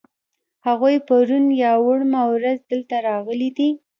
هغوی پرون یا وړمه ورځ دلته راغلي دي.